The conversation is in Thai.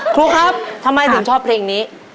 ครูครับทำไมถึงชอบเพลงนี้